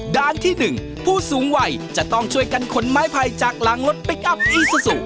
ด้านที่หนึ่งผู้สูงไว่จะต้องช่วยกันขนไม้ภัยจากหลางรถปิ๊กอัพอีซ่าซุ